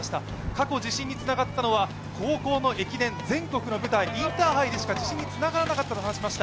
過去自信につながったのは高校の駅伝、全国の舞台、インターハイでしか自身につながらなかったと話しています。